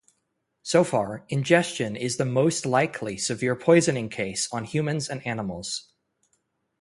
So far, ingestion is the most likely severe poisoning case on humans and animals.